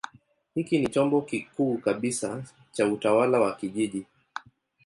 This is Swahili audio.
Hiki ni chombo kikuu kabisa cha utawala wa kijiji.